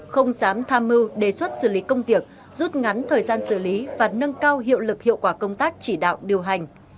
không dám tham mưu đề xuất xử lý công việc rút ngắn thời gian xử lý và nâng cao hiệu lực hiệu quả công tác chỉ đạo điều hành